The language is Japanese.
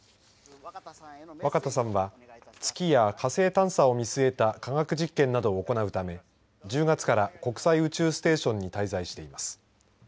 若田さんは月や火星探査を見据えた科学実験などを行うため１０月から国際宇宙ステーションに滞在しています。